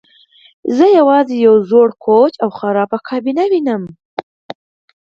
زه یوازې یو زوړ کوچ او خرابه کابینه وینم